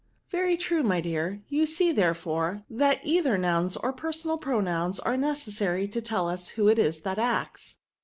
" Very true, my dear ; you see, therefore, that either nouns, or personal pronouns, are necessary to tell us who it is that acts.